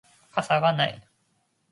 傘がない